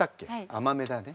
甘めだね。